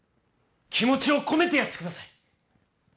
気持ちを込めてやってください。